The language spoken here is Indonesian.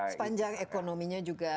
sepanjang ekonominya juga